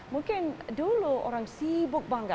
mungkin dulu orang sibuk bangga